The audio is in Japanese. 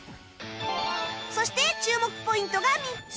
そして注目ポイントが３つ